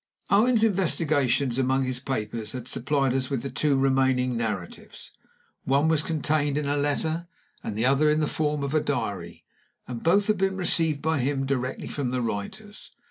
Owen's investigations among his papers had supplied us with the two remaining narratives. One was contained in a letter, and the other in the form of a diary, and both had been received by him directly from the writers.